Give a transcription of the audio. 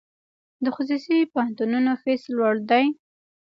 د خصوصي پوهنتونونو فیس لوړ دی؟